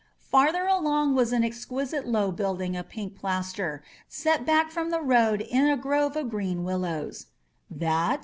Farther along was an exquisite low building of pink plaster, set back from the road in a grove of green willows. "That?